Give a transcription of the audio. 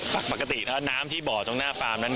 ปกติแล้วน้ำที่บ่อตรงหน้าฟาร์มนั้น